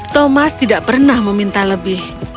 thomas tidak pernah meminta lebih